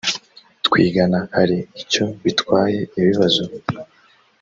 twigana hari icyo bitwaye ibibazo